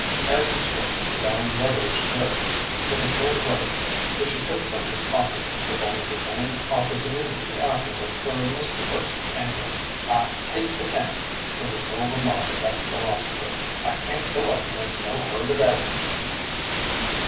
As he spoke he bound the other's wrists with a short rope which he took from his pocket, performing the same office immediately afterward for Mr. Percy's ankles. "I take the count!" was the sole remark of that philosopher. "I can't go up against no herd of elephants."